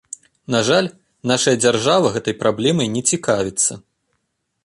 На жаль, нашая дзяржава гэтай праблемай не цікавіцца.